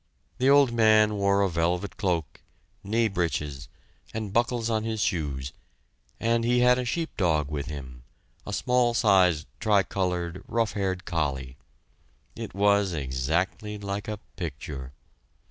The old man wore a velvet cloak, knee breeches, and buckles on his shoes, and he had a sheep dog with him a small sized tricolored, rough haired collie. It was exactly like a picture!